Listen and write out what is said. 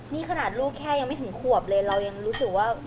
นี่ขนาดลูกแค่ยังไม่ถึงขวบเลยเรายังรู้สึกว่า